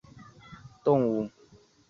隐肺螺为阿地螺科隐肺螺属的动物。